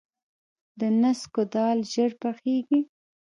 د نسکو دال ژر پخیږي.